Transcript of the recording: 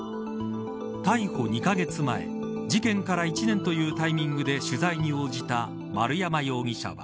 逮捕２カ月前、事件から１年というタイミングで取材に応じた丸山容疑者は。